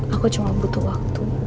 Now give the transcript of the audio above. aku cuma butuh waktu